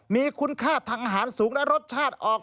มีคุณค่าทางอาหารสูงและรสชาติออก